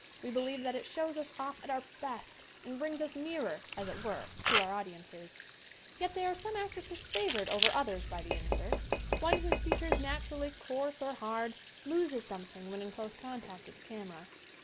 We believe that it shows us off at our best and brings us nearer, as it were, to our audiences. Yet there are some actresses favored over others by the insert. One whose features are 100 SCREEN ACTING naturally coarse, or hard, loses something when in close contact with the camera.